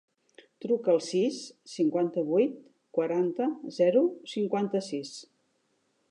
Truca al sis, cinquanta-vuit, quaranta, zero, cinquanta-sis.